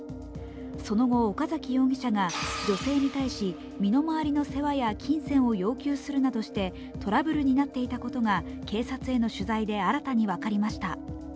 その後、岡崎容疑者が女性に対し身の回りの世話や金銭を要求するなどしてトラブルになっていたことが警察への取材で新たに分かりました。